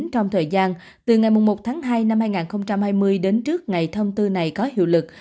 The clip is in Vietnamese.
trong thời gian từ ngày một tháng hai năm hai nghìn hai mươi đến trước ngày thông tư này có hiệu lực